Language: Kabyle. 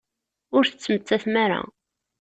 Ur tettmettatem ara!